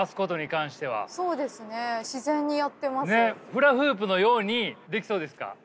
フラフープのようにできそうですか？